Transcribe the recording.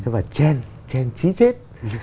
và trần trần chí chết